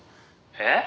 「えっ？」